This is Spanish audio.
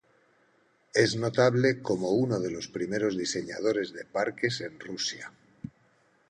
Es notable como uno de los primeros diseñadores de parques en Rusia.